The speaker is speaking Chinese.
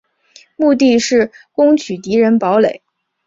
目的是攻取敌人堡垒。